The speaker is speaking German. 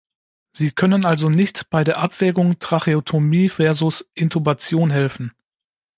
Sie können also nicht bei der Abwägung Tracheotomie versus Intubation helfen.